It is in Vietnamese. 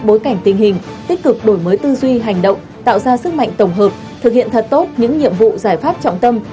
bối cảnh tình hình tích cực đổi mới tư duy hành động tạo ra sức mạnh tổng hợp thực hiện thật tốt những nhiệm vụ giải pháp trọng tâm